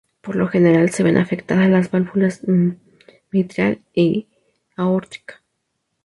Por lo general se ven afectadas las válvulas mitral y aórtica.